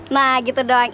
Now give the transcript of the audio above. nah gitu doang